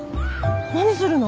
何するの？